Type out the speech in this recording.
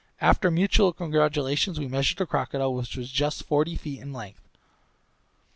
After mutual congratulations we measured the crocodile, which was just forty feet in length.